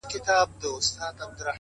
مهرباني د درناوي تخم شیندي’